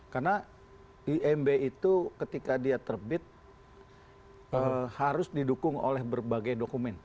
karena imb itu ketika dia terbit harus didukung oleh berbagai dokumen